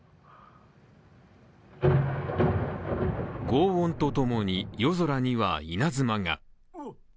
ごう音と共に夜空には、稲妻が。